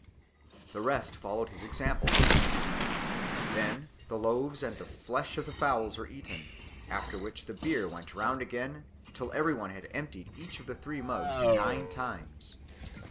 The rest followed his example. Then the loaves and the flesh of the fowls were eaten, after which the beer went round again, till every one had emptied each of the three mugs nine times.